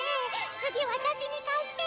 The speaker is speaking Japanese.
次私に貸して！